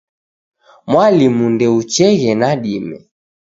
Mwalimu ndeucheghe idime.